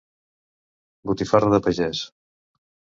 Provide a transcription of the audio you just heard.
Botifarra de pagès!